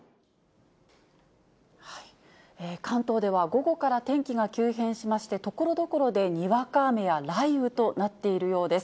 関東では、午後から天気が急変しまして、ところどころでにわか雨や雷雨となっているようです。